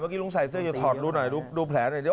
เมื่อกี้ลุงใส่เสื้อเดียวถอดลูกหน่อยรูดูแผลหน่อย